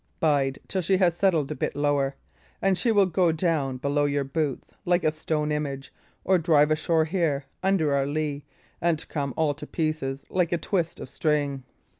Bide till she has settled a bit lower; and she will either go down below your boots like a stone image, or drive ashore here, under our lee, and come all to pieces like a twist of string."